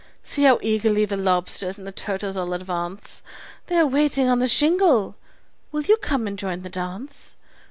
See how eagerly the lobsters and the turtles all advance! They are waiting on the shingle will you come and join the dance?